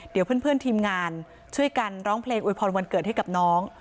เดี๋ยวเพื่อนทีมงานช่วยกันร้องเพลงอวยพรวันเกิดให้กับน้อง